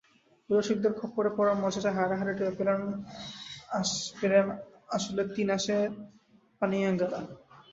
বেরসিকদের খপ্পরে পড়ার মজাটা হাড়ে হাড়ে টের পেলেন আসলে তিনাশে পানিয়াঙ্গারা।